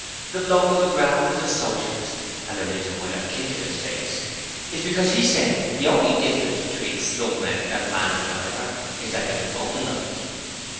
The bloke on the ground is a Socialist, and the reason why they're kickin' 'is face in is because 'e said that the only difference between Slumrent and Mandriver was that they was both alike.'